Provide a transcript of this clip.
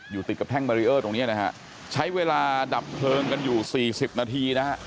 ติดกับแท่งบารีเออร์ตรงเนี้ยนะฮะใช้เวลาดับเพลิงกันอยู่สี่สิบนาทีนะฮะ